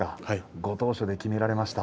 ご当所で決められました。